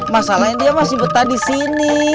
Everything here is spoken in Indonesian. masalahnya dia masih betah disini